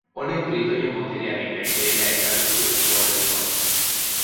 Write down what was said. Honek britoien boterearen gainbehera ekarri zuen eskualde osoan.